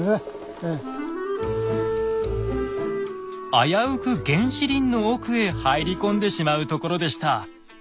危うく原始林の奥へ入り込んでしまうところでした。